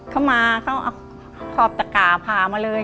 เขามาเขาเอาขอบตะกาผ่ามาเลย